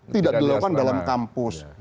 tidak dilakukan dalam kampus